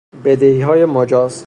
بدهیهای مجاز